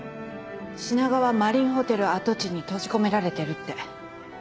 「品川マリンホテル跡地に閉じ込められてる」って。